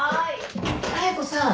妙子さん